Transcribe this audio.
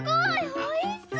おいしそう。